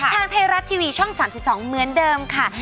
ทางไทยรัฐทีวีช่อง๓๒เหมือนเดิมค่ะ